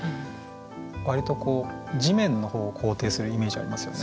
割とこう地面の方を肯定するイメージありますよね。